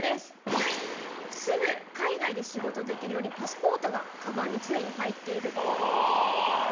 すぐ海外で仕事できるようにパスポートがカバンに常に入ってるっぽい。